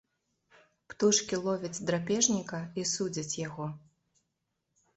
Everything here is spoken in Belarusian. Птушкі ловяць драпежніка і судзяць яго.